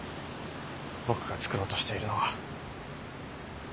僕が創ろうとしているのは。